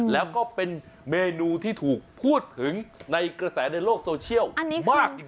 แล้วก็เป็นเมนูที่ถูกพูดถึงในกระแสในโลกโซเชียลมากจริง